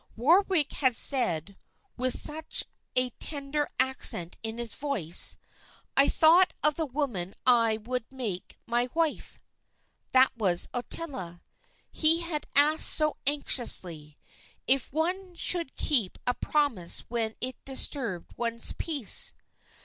Warwick had said, with such a tender accent in his voice, "I thought of the woman I would make my wife." That was Ottila. He had asked so anxiously, "If one should keep a promise when it disturbed one's peace?"